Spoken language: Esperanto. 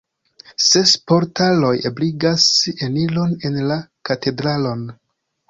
Ses portaloj ebligas eniron en la katedralon.